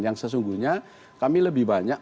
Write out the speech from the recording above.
yang sesungguhnya kami lebih banyak